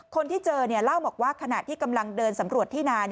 คนที่เจอเนี่ยเล่าบอกว่าขณะที่กำลังเดินสำรวจที่นาน